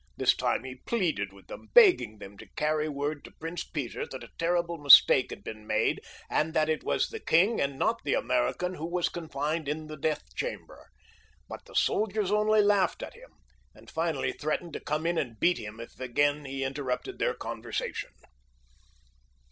This time he pleaded with them, begging them to carry word to Prince Peter that a terrible mistake had been made, and that it was the king and not the American who was confined in the death chamber. But the soldiers only laughed at him, and finally threatened to come in and beat him if he again interrupted their conversation.